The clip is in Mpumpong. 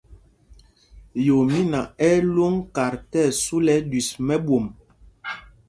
Yoomína ɛ́ ɛ́ lwōŋ kat tí ɛsu lɛ ɛɗüis mɛ́ɓwôm.